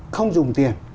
không dùng tiền